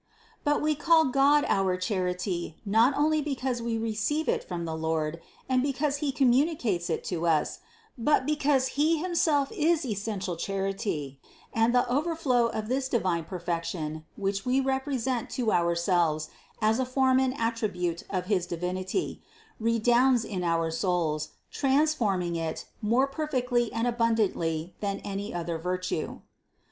THE CONCEPTION 399 But we call God our charity, not only because we re ceive it from the Lord, and because He communicates it to us, but because He himself is essential charity, and the overflow of this divine perfection, which we represent to ourselves as a form and attribute of his Divinity, re dounds in our souls, transforming it more perfectly and abundantly than any other virtue.